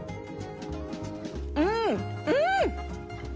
うんうん！